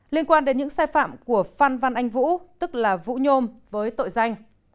liên quan đến những sai phạm của phan văn anh vũ tức là vũ nhôm với tội danh